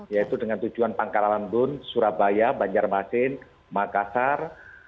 yaitu dengan tujuan pangkara landun surabaya banjarmasin makassar